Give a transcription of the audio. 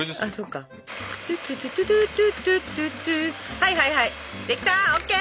はいはいはいできたＯＫ！